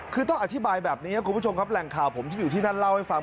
คือต้องอธิบายแบบนี้ครับคุณผู้ชมครับแหล่งข่าวผมที่อยู่ที่นั่นเล่าให้ฟัง